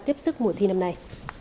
tiếp sức mùa thi năm nay